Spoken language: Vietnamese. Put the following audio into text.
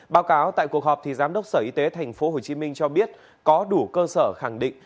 báo cáo tại cuộc họp giám đốc sở y tế tp hcm cho biết có đủ cơ sở khẳng định